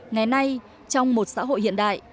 ngày nay trong một xã hội hiện đại